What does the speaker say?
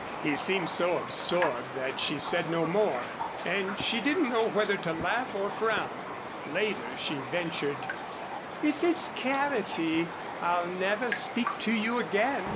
He seemed so absorbed that she said no more, and she didn't know whether to laugh or frown. Later she ventured: "If it's carroty I'll never speak to you again.